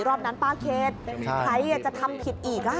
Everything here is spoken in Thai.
รอบนั้นป้าเขตใครจะทำผิดอีก